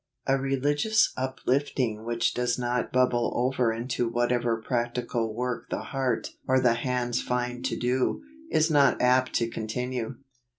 A religious uplifting which does not bubble over into whatever practical work the heart or the hands find to do, is not apt to continue.